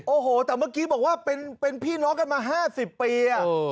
โอ้โหแต่เมื่อกี้บอกว่าเป็นพี่น้องกันมา๕๐ปี